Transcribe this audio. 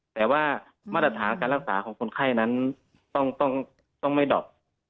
แต่ว่ามาตรฐานการรักษาของคนไข้นั้นต้องไม่ดอบ